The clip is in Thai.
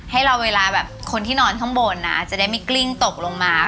ให้เราเวลาแบบคนที่นอนข้างบนนะจะได้ไม่กลิ้งตกลงมา